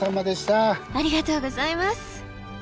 ありがとうございます。